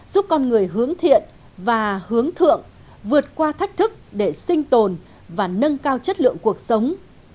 giúp con người hướng thiện và hướng thượng vượt qua thách thức để sinh tồn và nâng cao chất lượng cuộc sống